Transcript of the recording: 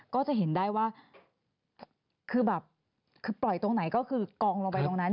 ก็จะเห็นได้ว่าคือแบบคือปล่อยตรงไหนก็คือกองลงไปตรงนั้น